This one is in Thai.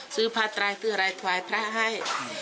ซื้อผ้าตายซื้ออะไรถวายพระให้